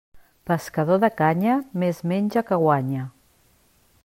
Pescador de canya, més menja que guanya.